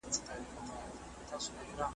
خدای دي ووهه پر ما به توره شپه کړې `